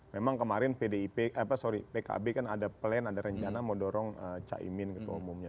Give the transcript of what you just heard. memang kemarin pkb kan ada plan ada rencana mau dorong cak imin gitu umumnya